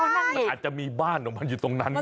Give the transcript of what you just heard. มันอาจจะมีบ้านของมันอยู่ตรงนั้น